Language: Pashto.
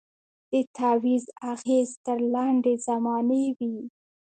د تعویذ اغېز تر لنډي زمانې وي